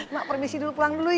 mak permisi dulu pulang dulu ya